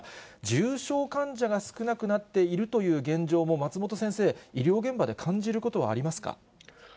重症患者が少なくなっているという現状も松本先生、医療現場で感じることはありますか。